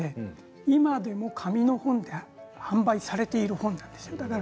今でも紙の本として販売されている本なんです。